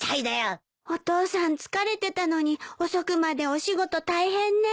お父さん疲れてたのに遅くまでお仕事大変ね。